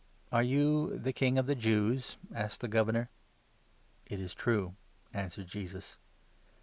"Are you the King of the Jews?" asked the Governor. " It is true," answered Jesus.